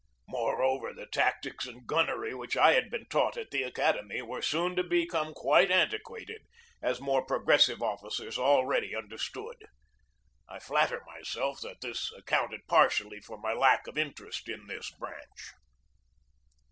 Moreover, the tactics and gunnery which I had been taught at the academy were soon to be come quite antiquated as more progressive officers al ready understood. I flatter myself that this accounted partially for my lack of interest in this branch.